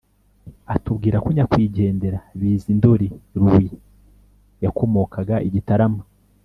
atubwira ko nyakwigendera bizindoli louis yakomokaga i gitarama